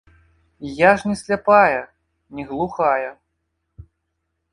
Я ж не сляпая, не глухая.